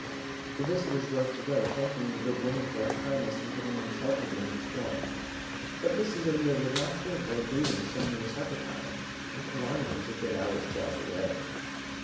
The visitors rose to go, thanking the good woman for her kindness in giving them shelter during the storm. But Mrs. O'Neil would not hear of their leaving so near supper time, with Killarney a good hour's drive away.